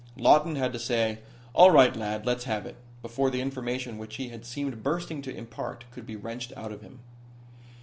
Lawton had to say: "All right, lad, let's have it," before the information which he had seemed bursting to impart could be wrenched out of him.